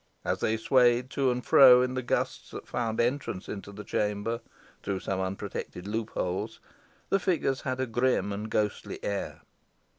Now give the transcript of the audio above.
As they swayed to and fro in the gusts, that found entrance into the chamber through some unprotected loopholes, the figures had a grim and ghostly air.